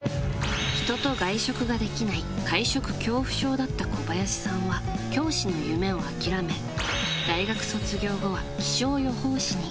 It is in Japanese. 人と外食ができない会食恐怖症だった小林さんは教師の夢を諦め、大学卒業後は気象予報士に。